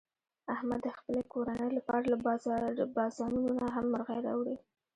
احمد د خپلې کورنۍ لپاره له بازانونه نه هم مرغۍ راوړي.